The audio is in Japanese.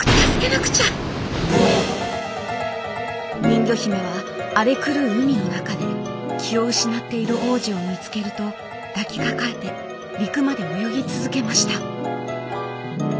人魚姫は荒れ狂う海の中で気を失っている王子を見つけると抱きかかえて陸まで泳ぎ続けました。